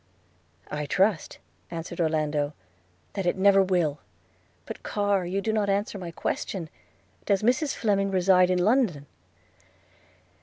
'I trust,' answered Orlando, 'that it never will; but, Carr, you do not answer my question – does Mrs Fleming reside in London?'